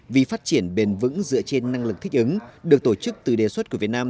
vì phát triển bền vững dựa trên năng lực thích ứng được tổ chức từ đề xuất của việt nam